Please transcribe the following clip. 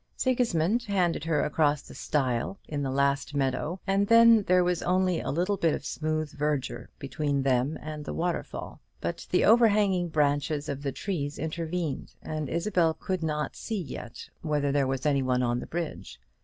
Sigismund handed her across the stile in the last meadow, and then there was only a little bit of smooth verdure between them and the waterfall; but the overhanging branches of the trees intervened, and Isabel could not see yet whether there was any one on the bridge.